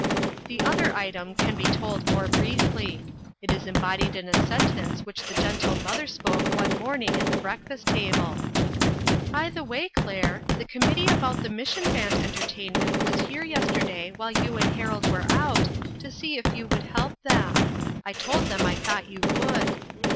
The other item can be told more briefly. It is embodied in a sentence which the gentle mother spoke one" morning at the breakfast table :" By the way, Claire, the committee about the Mission Band entertainment was here yesterday while you and Harold were out, to see if you would help them. I told them I thought you would."